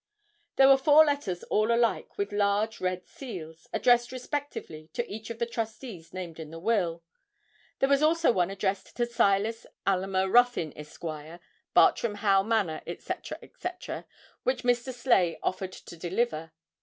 There were four letters all alike with large, red seals, addressed respectively to each of the trustees named in the will. There was also one addressed to Silas Alymer Ruthyn, Esq., Bartram Haugh Manor, &c. &c., which Mr. Sleigh offered to deliver.